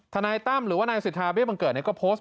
นายตั้มหรือว่านายสิทธาเบี้บังเกิดก็โพสต์